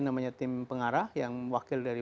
namanya tim pengarah yang wakil dari